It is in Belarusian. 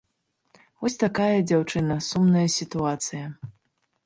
Вось такая, дзяўчына, сумная сітуацыя.